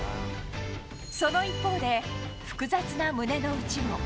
その一方で、複雑な胸の内も。